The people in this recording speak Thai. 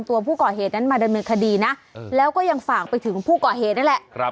ตัวผู้ก่อเหตุนั้นมาดำเนินคดีนะแล้วก็ยังฝากไปถึงผู้ก่อเหตุนั่นแหละ